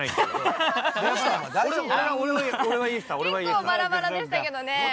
結構バラバラでしたけどね。